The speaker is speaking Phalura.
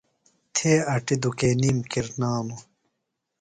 تھے اٹیۡ دُکینِیم کرنانہ۔